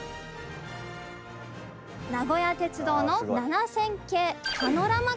名古屋鉄道の７０００系パノラマカー。